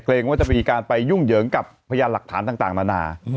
ว่าจะมีการไปยุ่งเหยิงกับพยานหลักฐานต่างนานา